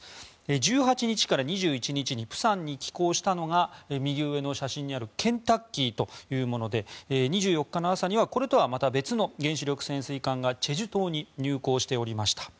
１８日から２１日に釜山に寄港したのが「ケンタッキー」というもので２４日の朝にはこれとはまた別の原子力潜水艦がチェジュ島に入港しておりました。